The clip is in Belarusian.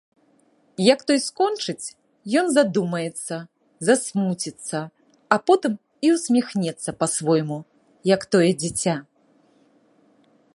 Як той скончыць, ён задумаецца, засмуціцца, а потым і ўсміхнецца па-свойму, як тое дзіця.